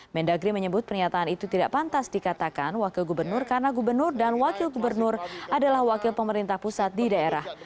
mendagri menyebut pernyataan itu tidak pantas dikatakan wakil gubernur karena gubernur dan wakil gubernur adalah wakil pemerintah pusat di daerah